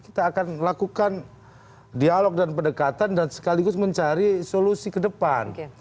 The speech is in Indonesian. kita akan lakukan dialog dan pendekatan dan sekaligus mencari solusi ke depan